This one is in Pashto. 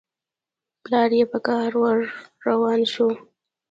پلار يې په قهر ور روان شو.